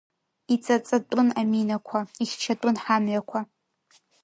Иҵаҵатәын аминақәа, ихьчатәын ҳамҩақәа.